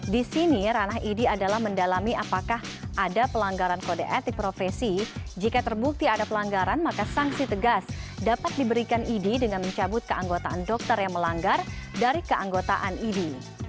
di sini ranah idi adalah mendalami apakah ada pelanggaran kode etik profesi jika terbukti ada pelanggaran maka sanksi tegas dapat diberikan idi dengan mencabut keanggotaan dokter yang melanggar dari keanggotaan idi